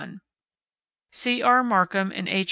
C. R. Markham and H.